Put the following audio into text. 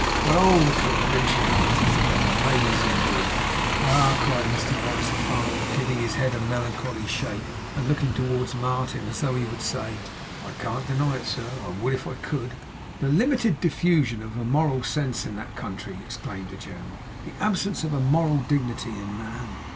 But, oh, the conventionalities of that a mazing Europe!' 'Ah!' cried Mr Norris the father, giving his head a melancholy shake, and looking towards Martin as though he would say, 'I can't deny it, sir. I would if I could.' 'The limited diffusion of a moral sense in that country!' exclaimed the general. 'The absence of a moral dignity in man!